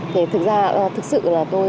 thực ra thực sự là tôi